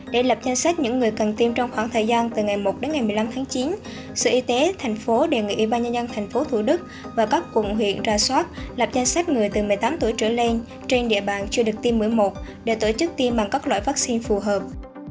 để lập danh sách những người cần tiêm trong khoảng thời gian từ ngày một đến ngày một mươi năm tháng chín sự y tế thành phố đề nghị ubnd tp thủ đức và các quận huyện ra soát lập danh sách người từ một mươi tám tuổi trở lên trên địa bàn chưa được tiêm mũi một để tổ chức tiêm bằng các loại vaccine phù hợp